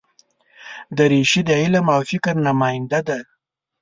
دریشي د علم او فکر نماینده ده.